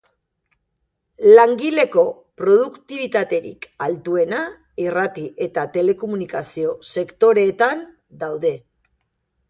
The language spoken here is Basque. Langileko produktibitaterik altuena irrati eta telekomunikazio sektoreetan daude.